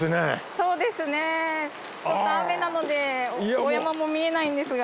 そうですねちょっと雨なのでお山も見えないんですが。